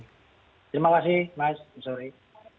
terima kasih mas sorry